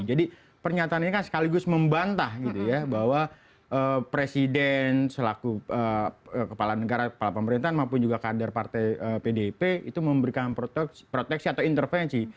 jadi pernyataan ini kan sekaligus membantah bahwa presiden selaku kepala negara kepala pemerintahan maupun juga kader partai pdp itu memberikan proteksi atau intervensi